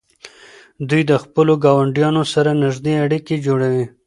دوی د خپلو ګاونډیانو سره نږدې اړیکې جوړوي.